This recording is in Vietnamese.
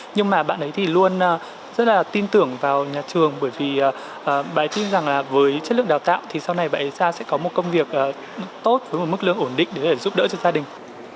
nhưng mà bạn ấy thì luôn rất là tin tưởng vào nhà trường bởi vì bài tin rằng là với chất lượng đào tạo thì sau này bạn ấy ra sẽ có một công việc tốt với một mức lương ổn định để giúp đỡ cho gia đình